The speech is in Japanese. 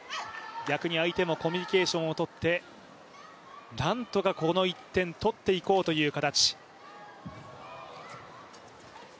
逆に相手もコミュニケーションをとってなんとか、この１点取っていこうという形。